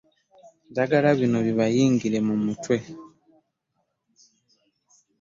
Njagala bino bibayingire mu mitwe.